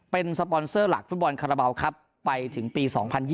เป็นสปอนเซอร์หลักฟุตบอลคาราบาลครับไปถึงปี๒๐๒๐